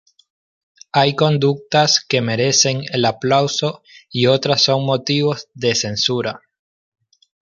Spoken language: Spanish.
Hay conductas que merecen el aplauso y otras son motivos de censura.